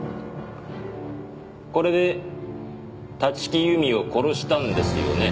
これで立木由美を殺したんですよね？